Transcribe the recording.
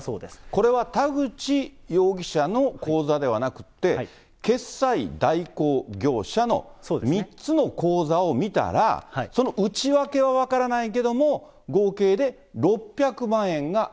これは田口容疑者の口座ではなくって、決済代行業者の３つの口座を見たら、その内訳は分からないけれども、そういうことです。